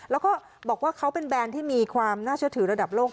แล้วก็บอกว่าเขาเป็นแบรนด์ที่มีความน่าเชื่อถือระดับโลก